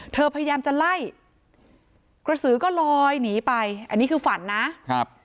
พยายามจะไล่กระสือก็ลอยหนีไปอันนี้คือฝันนะครับ